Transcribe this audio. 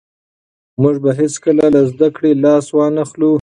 موږ به هېڅکله له زده کړې لاس ونه اخلو.